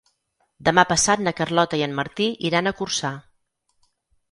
Demà passat na Carlota i en Martí iran a Corçà.